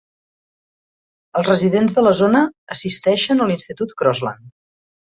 Els residents de la zona assisteixen a l'institut Crossland.